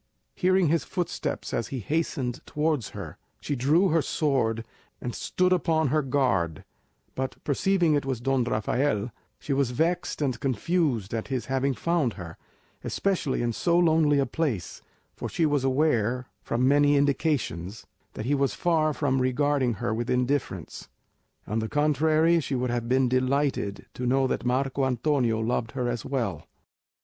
Hearing his footsteps as he hastened towards her, she drew her sword and stood upon her guard; but perceiving it was Don Rafael, she was vexed and confused at his having found her, especially in so lonely a place; for she was aware, from many indications, that he was far from regarding her with indifference; on the contrary, she would have been delighted to know that Marco Antonio loved her as well.